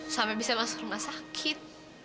sampai bisa masuk rumah sakit